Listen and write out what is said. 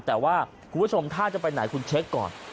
แต่ว่าคุณผู้ชมถ้าจะไปไหนคุณเช็คก่อน